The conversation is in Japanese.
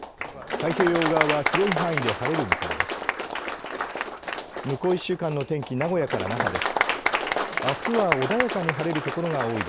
太平洋側は広い範囲で晴れる見込みです。